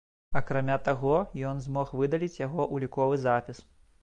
Акрамя таго, ён змог выдаліць яго уліковы запіс.